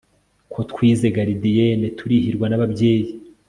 ko twize garidiyene turihirwa n'ababyeyi